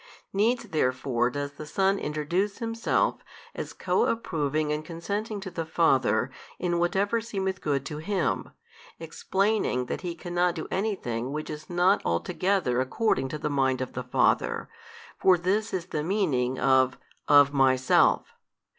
Needs therefore does the Son introduce Himself as co approving and consenting to the Father in whatever seemeth good to Him, explaining that He cannot do anything which is not altogether according to the Mind of the Father, for this is the meaning of Of Myself